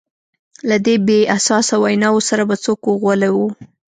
له دې بې اساسه ویناوو سره به څوک وغولوو.